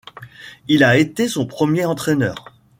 Il a été son premier entraîneur.